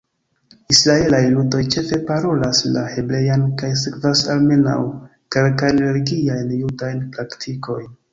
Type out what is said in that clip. Israelaj judoj ĉefe parolas la hebrean kaj sekvas almenaŭ kelkajn religiajn judajn praktikojn.